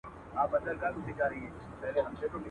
چي یې تر دار پوري د حق چیغي وهلي نه وي.